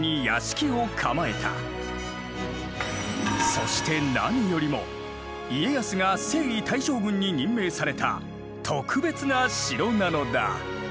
そして何よりも家康が征夷大将軍に任命された特別な城なのだ。